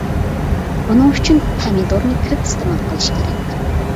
بۇنىڭ ئۈچۈن پەمىدۇرنى كۆپ ئىستېمال قىلىش كېرەك.